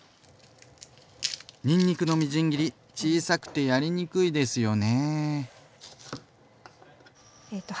にんにくのみじん切り小さくてやりにくいですよね。